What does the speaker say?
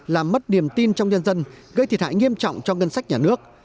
làm mất niềm tin trong nhân dân gây thiệt hại nghiêm trọng cho ngân sách nhà nước